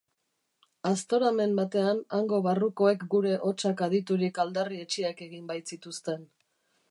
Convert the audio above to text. Aztoramen batean, hango barrukoek gure hotsak aditurik aldarri etsiak egin baitzituzten.